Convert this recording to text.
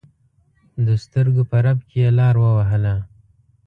دسترو په رپ کې یې لار ووهله.